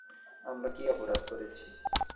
আমরা কী অপরাধ করেছি?